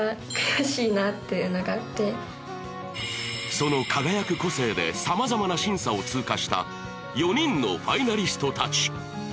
その輝く個性でさまざまな審査を通過した４人のファイナリストたち。